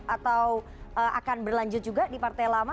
atau akan berlanjut juga di partai lama